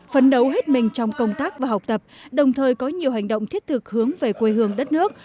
phấn đấu hết mình trong công tác và học tập đồng thời có nhiều hành động thiết thực hướng về quê hương đất nước